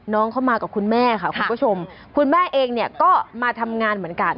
เข้ามากับคุณแม่ค่ะคุณผู้ชมคุณแม่เองเนี่ยก็มาทำงานเหมือนกัน